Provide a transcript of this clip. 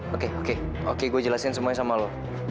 oke oke gue jelasin semuanya sama lo